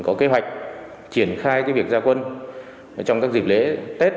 có kế hoạch triển khai việc gia quân trong các dịp lễ tết